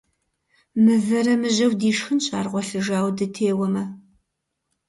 Мывэрэ мыжьэу дишхынщ, ар гъуэлъыжауэ дытеуэмэ.